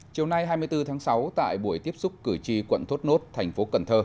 chiều nay hai mươi bốn tháng sáu tại buổi tiếp xúc cử tri quận thốt nốt thành phố cần thơ